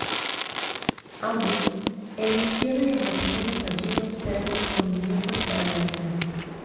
Ambos, el encierro y el matrimonio fallido, serán los condimentos para la venganza.